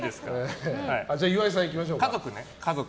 岩井さん、行きましょうか。